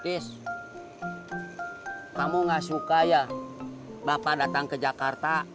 tis kamu nggak suka ya bapak datang ke jakarta